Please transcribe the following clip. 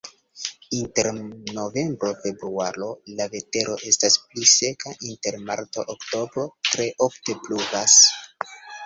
Inter novembro-februaro la vetero estas pli seka, inter marto-oktobro tre ofte pluvas.